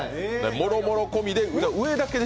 もろもろ込みで。